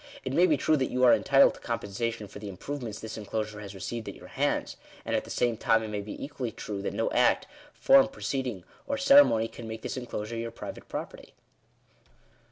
It may be true that you are en titled to compensation for the improvements this enclosure has received at your hands ; and at the same time it may be equally true that no act, form, proceeding, or ceremony, can make this enclosure your private property."